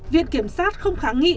việc kiểm sát không kháng nghị